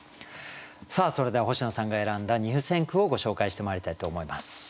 それでは星野さんが選んだ入選句をご紹介してまいりたいと思います。